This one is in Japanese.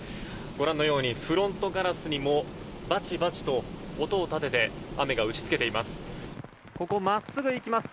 ご覧のようにフロントガラスにもバチバチと音を立てて雨が打ちつけています。